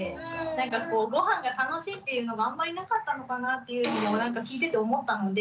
なんかごはんが楽しいっていうのがあんまりなかったのかなっていうふうにも聞いてて思ったので。